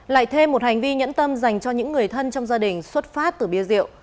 lại thêm một hành vi nhẫn tâm dành cho những người thân trong gia đình xuất phát từ bia rượu